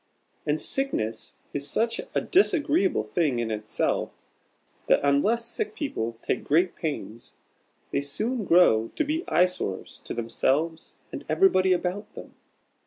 And sickness is such a disagreeable thing in itself, that unless sick people take great pains, they soon grow to be eyesores to themselves and everybody about them.